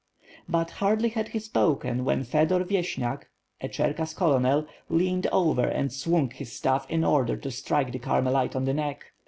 But, hardly had he spoken, when Fedor Vyeshnyak a Cher kass colonel, leaned over and swung his staff in order to strike the Carmelite on the neck.